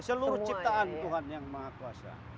seluruh ciptaan tuhan yang maha kuasa